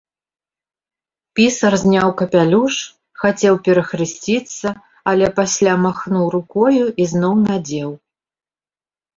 Пісар зняў капялюш, хацеў перахрысціцца, але пасля махнуў рукою і зноў надзеў.